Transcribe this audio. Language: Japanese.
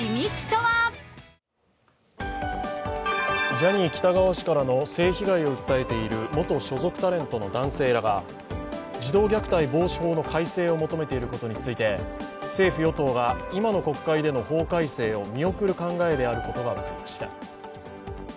ジャニー喜多川氏からの性被害を訴えている元所属タレントの男性らが児童虐待防止法の改正を求めていることについて政府・与党が今の国会での法改正を見送る考えであることが分かりました。